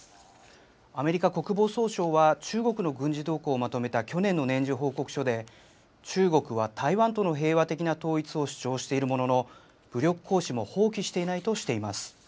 アメリカ国防総省は中国の軍事動向をまとめた去年の年次報告書で、中国は台湾との平和的な統一を主張しているものの、武力行使も放棄していないとしています。